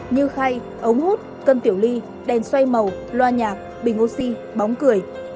như khay ống hút cân tiểu ly đèn xoay màu loa nhạc bình oxy bóng cười